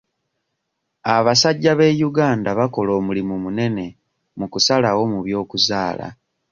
Abasajja be Uganda bakola omulimu munene mu kusalawo mu by'okuzaala.